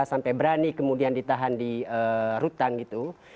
sampai berani kemudian ditahan di rutan gitu